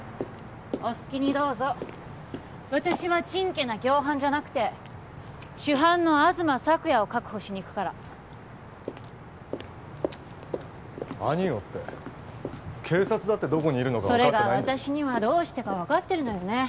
お好きにどうぞ私はちんけな共犯じゃなくて主犯の東朔也を確保しにいくから兄をって警察だってどこにいるのかそれが私にはどうしてか分かってるのよね